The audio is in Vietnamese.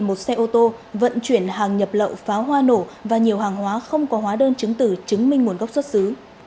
một xe ô tô vận chuyển hàng nhập lậu pháo hoa nổ và nhiều hàng hóa không có hóa đơn chứng tử chứng minh nguồn gốc xuất xứ